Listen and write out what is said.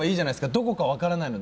どこか分からないので。